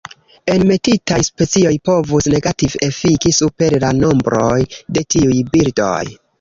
Enmetitaj specioj povus negative efiki super la nombroj de tiuj birdoj.